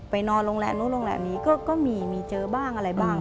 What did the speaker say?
นอนโรงแรมนู้นโรงแรมนี้ก็มีมีเจอบ้างอะไรบ้าง